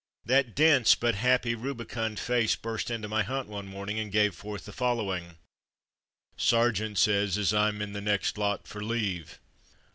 That dense but happy rubicund face burst into my hut one morning, and gave forth the following: "Sergeant says as Vm in the next lot for leave.